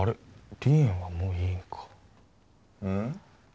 離縁はもういいんかうん？